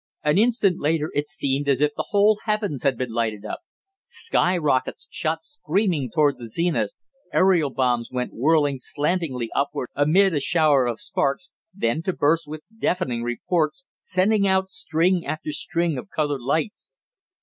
An instant later it seemed as if the whole heavens had been lighted up. Sky rockets shot screaming toward the zenith, aerial bombs went whirling slantingly upward amid a shower of sparks, then to burst with deafening reports, sending out string after string of colored lights.